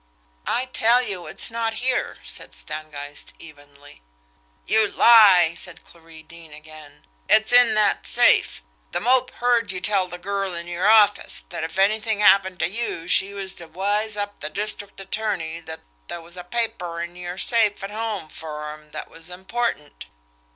"I tell you, it's not here," said Stangeist evenly. "You lie!" said Clarie Deane again. "It's in that safe. The Mope heard you tell the girl in yer office that if anything happened to you she was ter wise up the district attorney that there was a paper in your safe at home fer him that was important.